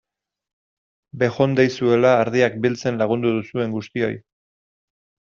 Bejondeizuela ardiak biltzen lagundu duzuen guztioi!